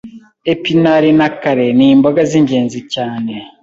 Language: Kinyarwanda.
Epinari na kale ni imboga z’ingenzi cyane